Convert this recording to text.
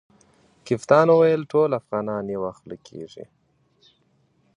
کپتان وویل ټول افغانان یوه خوله کیږي.